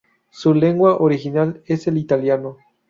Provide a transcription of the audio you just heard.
Su lengua original es el italiano.